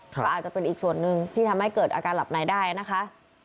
ก็อาจจะเป็นอีกส่วนหนึ่งที่ทำให้เกิดอาการหลับในได้นะคะ